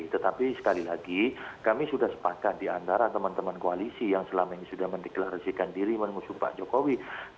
tetapi sekali lagi kami sudah sepakat diantara teman teman koalisi yang selama ini sudah mendeklarasikan diri mengusung pak jokowi